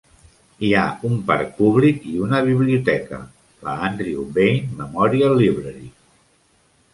Hi ha un parc públic i una biblioteca, la Andrew Bayne Memorial Library.